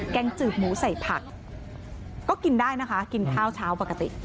งจืดหมูใส่ผักก็กินได้นะคะกินข้าวเช้าปกติ